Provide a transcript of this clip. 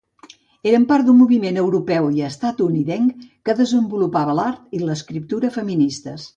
Eren part d'un moviment europeu i estatunidenc que desenvolupava l'art i l'escriptura feministes.